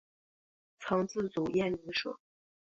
曾自组燕鸣社。